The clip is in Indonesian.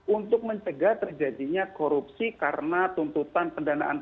untuk mencegah terjadinya korupsi karena tuntutan pendanaan